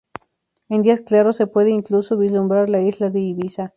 En días claros, se puede incluso vislumbrar la isla de Ibiza.